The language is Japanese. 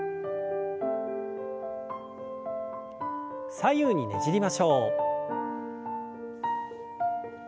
左右にねじりましょう。